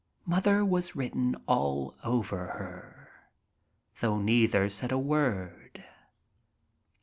Mother was written all over her, though neither said a word.